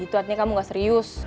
itu artinya kamu gak serius